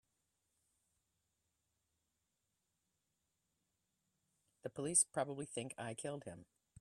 The police probably think I killed him.